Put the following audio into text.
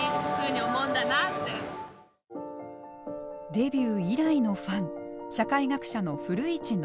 デビュー以来のファン社会学者の古市憲寿さん。